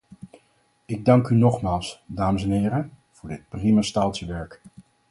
Ik dank u nogmaals, dames en heren, voor dit prima staaltje werk.